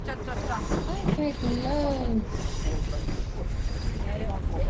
I take loads of selfies.